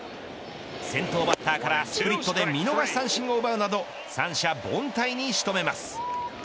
先頭バッターからスプリットで見逃し三振を奪うなど三者凡退に仕留めます。